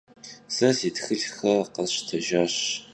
Se si txılhxer khesştejjaş.